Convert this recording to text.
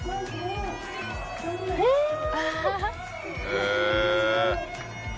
へえ。